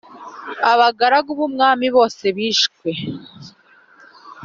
abagaragu b’umwami bose bishwe